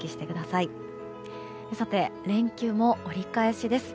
さて、連休も折り返しです。